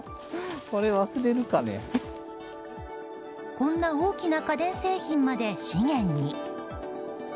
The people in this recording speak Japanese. こんな大きな家電製品まで資源に。